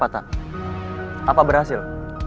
apa tak apa berhasil